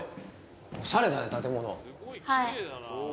おしゃれだね、建物。